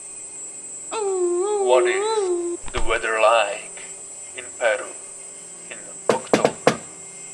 What is the weather like in Peru in October